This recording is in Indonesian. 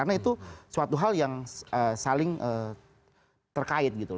karena itu suatu hal yang saling terkait